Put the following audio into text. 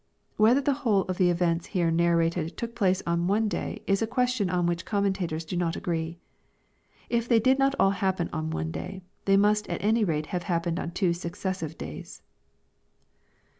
Whether the whole of the eventa here narrated took place on one day, is a question on which commentators do not agree. If they did not aU happen on one day, they must at any rate have happened on two successive days.